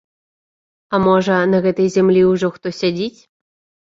А можа, на гэтай зямлі ўжо хто сядзіць?